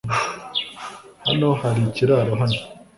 hano hari ikiraro hano